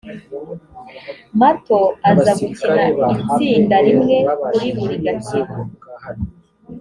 mato aza gukina itsinda rimwe kuri buri gakino